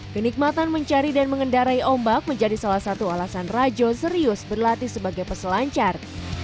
kenikmatan mencari dan mengendarai ombak menjadi salah satu alasan rajo serius berlatih sebagai peselancar